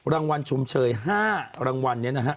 รางวัลชุมเชย๕รางวัลนี้นะฮะ